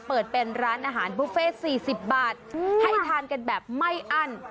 เปิดเป็นร้านอาหารบุฟเฟ่๔๐บาทให้ทานกันแบบไม่อั้น